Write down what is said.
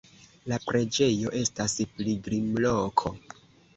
La preĝejo estas pilgrimloko.